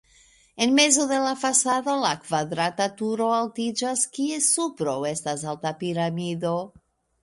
En mezo de la fasado la kvadrata turo altiĝas, kies supro estas alta piramido.